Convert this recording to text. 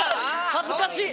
恥ずかしい。